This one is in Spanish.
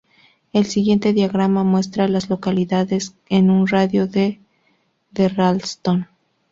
El siguiente diagrama muestra a las localidades en un radio de de Ralston.